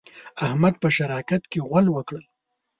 احمد په شراکت کې غول وکړل.